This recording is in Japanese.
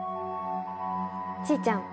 ちーちゃん